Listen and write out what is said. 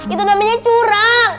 itu namanya curang